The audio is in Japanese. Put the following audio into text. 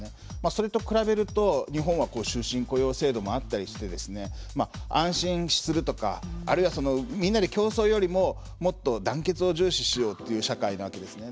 それと比べると日本は終身雇用制度もあったりして安心するとかあるいは、みんなで競争よりももっと団結を重視しようという社会なわけですね。